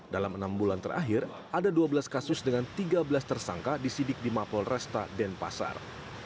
dalam enam bulan terakhir ada dua belas kasus dengan tiga belas tersangka disidik di mapol resta denpasar